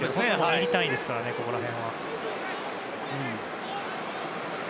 ミリ単位ですから、ここら辺は。